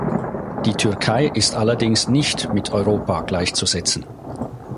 Die Türkei ist allerdings nicht mit Europa gleichzusetzen.